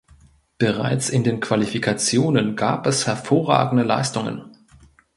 Bereits in den Qualifikationen gab es hervorragende Leistungen.